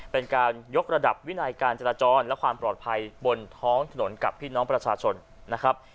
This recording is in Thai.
เป็นการยกระดับวินัยการจราจรและความปลอดภัยบนท้องถนนกับพี่น้องประชาชนนะครับ